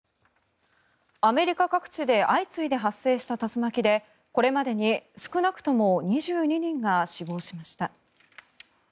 アメリカ各地で相次いで発生した竜巻でこれまでに少なくとも２２人が死亡しました。